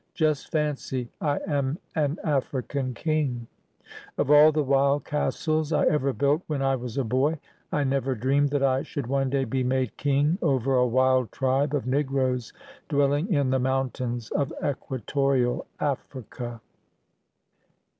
Just fancy, I am an African king ! Of all the wild castles I ever built when I was a boy, I never dreamed that I should one day be made king over a wild tribe of Negroes dwelHng in the mountains of Equatorial Africa.